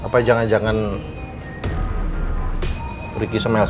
ma apa apa jangan jangan riki sama elsa